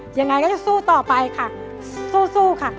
ยังไงก็จะสู้ต่อไปค่ะสู้ค่ะ